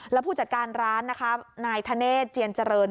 อ๋อแล้วผู้จัดการร้านนายทะเนตเจียนเจริญ